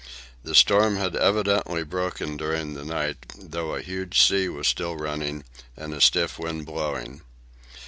The storm had evidently broken during the night, though a huge sea was still running and a stiff wind blowing.